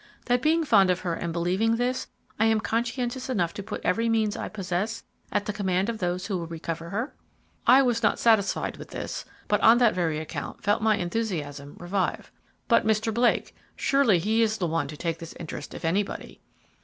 that being fond of her and believing this, I am conscientious enough to put every means I possess at the command of those who will recover her?" I was not satisfied with this but on that very account felt my enthusiasm revive. "But Mr. Blake? Surely he is the one to take this interest if anybody."